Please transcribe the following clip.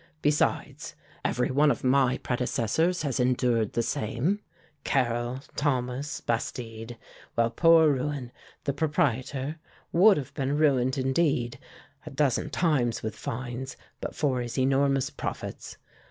Besides, every one of my predecessors has endured the same Carrel, Thomas, Bastide; while poor Rouen, the proprietor, would have been ruined, indeed, a dozen times with fines, but for his enormous profits.